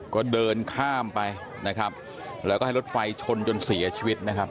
ก็เดินข้ามไปนะครับแล้วก็ให้รถไฟชนจนเสียชีวิตนะครับ